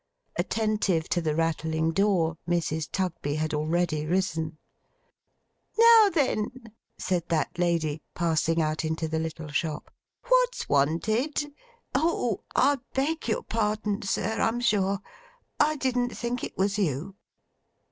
Attentive to the rattling door, Mrs. Tugby had already risen. 'Now then!' said that lady, passing out into the little shop. 'What's wanted? Oh! I beg your pardon, sir, I'm sure. I didn't think it was you.